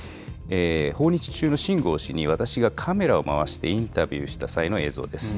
訪日中の秦剛氏に、私がカメラを回してインタビューした際の映像です。